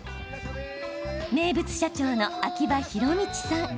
名物社長の秋葉弘道さん。